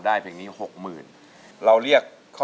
แต่เงินมีไหม